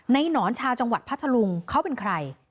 หนอนชาวจังหวัดพัทธลุงเขาเป็นใคร